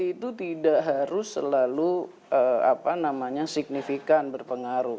itu tidak harus selalu signifikan berpengaruh